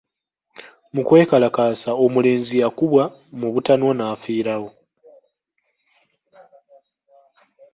Mu kwekalakaasa omulenzi yakubwa mu butanwa n'afiirawo.